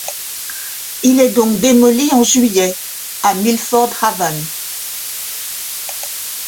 Il est donc démoli en juillet, à Milford Haven.